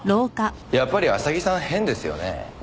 やっぱり浅木さん変ですよね？